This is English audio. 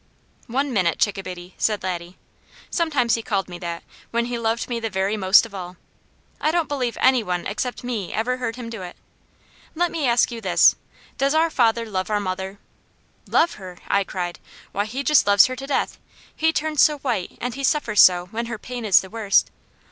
"One minute, Chick a Biddy," said Laddie. Sometimes he called me that, when he loved me the very most of all. I don't believe any one except me ever heard him do it. "Let me ask you this: does our father love our mother?" "Love her?" I cried. "Why he just loves her to death! He turns so white, and he suffers so, when her pain is the worst.